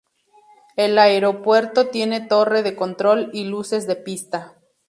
El aeropuerto tiene torre de control y luces de pista.